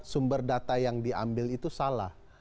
sumber data yang diambil itu salah